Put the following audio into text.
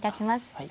はい。